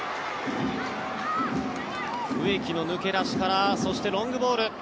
植木の抜け出しからそしてロングボール。